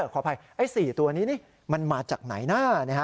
ขออภัยไอ้๔ตัวนี้นี่มันมาจากไหนนะ